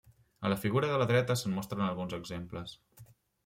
A la figura de la dreta se'n mostren alguns exemples.